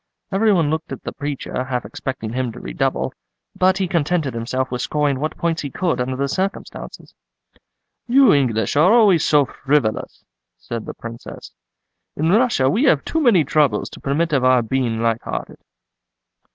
Every one looked at the preacher, half expecting him to redouble, but he contented himself with scoring what points he could under the circumstances." "You English are always so frivolous," said the Princess. "In Russia we have too many troubles to permit of our being light hearted."